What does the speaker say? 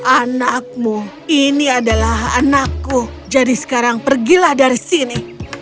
anakmu ini adalah anakku jadi sekarang pergilah dari sini